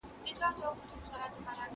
ديدار کاکړ سيداحمد حيران